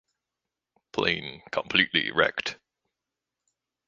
Plane completely wrecked.